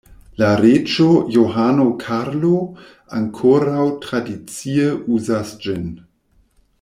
La reĝo Johano Karlo ankoraŭ tradicie uzas ĝin.